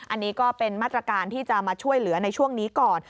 อันนี้ก็เป็นมาตรการที่จะมาช่วยเหลือในช่วงนี้ก่อน